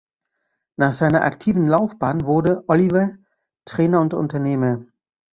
Nach seiner aktiven Laufbahn wurde Oliva Trainer und Unternehmer.